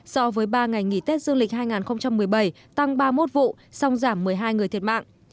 so với ba ngày nghỉ tết dương lịch hai nghìn một mươi bảy tăng ba mươi một vụ song giảm một mươi hai người thiệt mạng